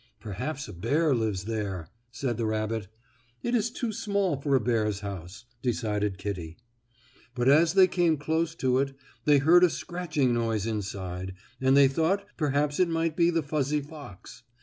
"Perhaps a bear lives there," said the rabbit. "It is too small for a bear's house," decided Kittie. But as they came close to it they heard a scratching noise inside, and they thought perhaps it might be the fuzzy fox.